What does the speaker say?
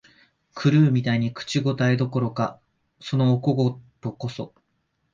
狂うみたいになり、口応えどころか、そのお小言こそ、